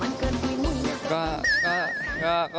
มันเกินไปนี่และไม่มีซักครั้ง